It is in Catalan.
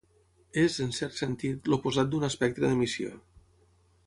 És, en cert sentit, l'oposat d'un espectre d'emissió.